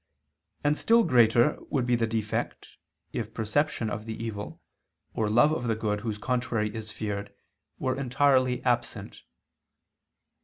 And still greater would be the defect, if perception of the evil, or love of the good whose contrary is feared, were entirely absent.